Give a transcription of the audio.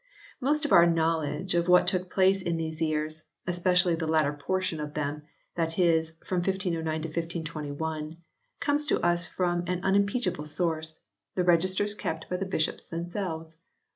Most of our knowledge of what took place in those years, especially the latter portion of them, that is, from 1509 to 1521, comes to us from an unimpeachable source the registers kept by the bishops themselves.